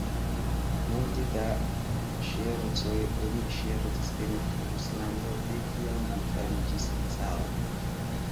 Multe da ŝercoj oni ŝercis en Ruslando, de kiam vi fariĝis caro!